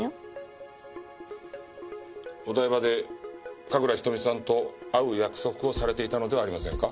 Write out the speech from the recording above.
お台場で神楽瞳さんと会う約束をされていたのではありませんか？